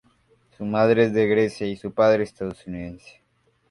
Su madre es de Grecia y su padre estadounidense.